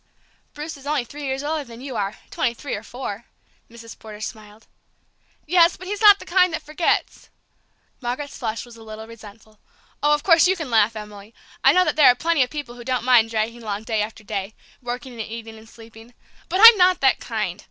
"Bruce is only three years older than you are, twenty three or four," Mrs. Porter smiled. "Yes, but he's not the kind that forgets!" Margaret's flush was a little resentful. "Oh, of course, you can laugh, Emily. I know that there are plenty of people who don't mind dragging along day after day, working and eating and sleeping but I'm not that kind!"